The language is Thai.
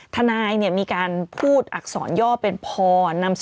ทนายมีการพูดอักษรยอบเป็นพน